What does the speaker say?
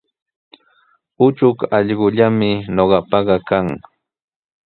Uchuk allqullami ñuqapaqa kan.